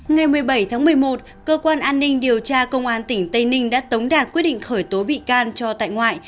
ngày một mươi bảy tháng một mươi một cơ quan an ninh điều tra công an tỉnh tây ninh đã tống đạt quyết định khởi tố bị can cho tại ngoại